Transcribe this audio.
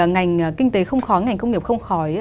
ngành kinh tế không khó ngành công nghiệp không khói